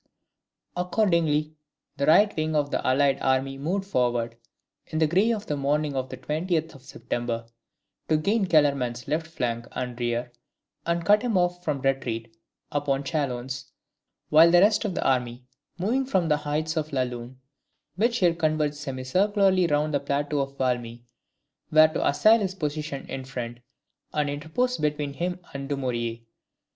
Accordingly, the right wing of the allied army moved forward, in the grey of the morning of the 20th of September, to gain Kellerman's left flank and rear, and cut him off from retreat upon Chalons, while the rest of the army, moving from the heights of La Lune, which here converge semi circularly round the plateau of Valmy, were to assail his position in front, and interpose between him and Dumouriez.